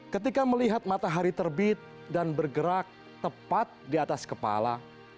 ketika melihat matahari terbit dan bergerak tepat di atas kepala